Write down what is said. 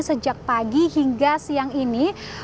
sejak pagi hingga siang ini